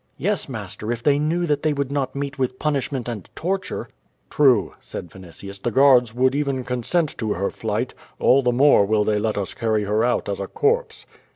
', "Yes, master, if they knew that they would not meet with punishment and torture." "True," said Vinitius, "the guards would even consent to her flight, all the more will they let us carry her out as a corpse."